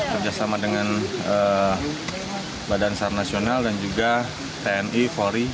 kerjasama dengan badan sar nasional dan juga tni polri